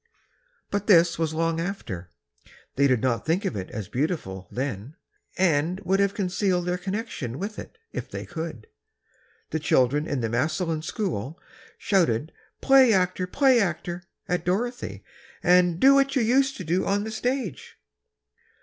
But this was long after. They did not think of it as beautiful, then, and would have concealed their connection with it, if they could. The children in the Massillon school shouted "Play actor! Play actor!" at Dorothy, and "Do what you used to do on the stage!"